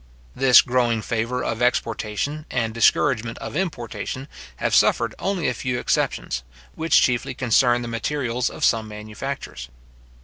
This growing favour of exportation, and discouragement of importation, have suffered only a few exceptions, which chiefly concern the materials of some manufactures.